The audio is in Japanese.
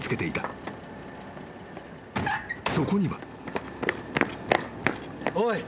［そこには］